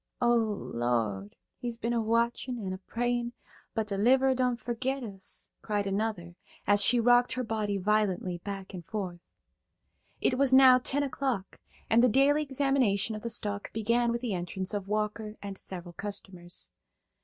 "O Lord, we's been a watchin' an' a prayin', but de 'liverer done fergit us!" cried another, as she rocked her body violently back and forth. It was now ten o' clock, and the daily examination of the stock began with the entrance of Walker and several customers.